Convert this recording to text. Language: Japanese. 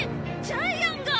ジャイアンが。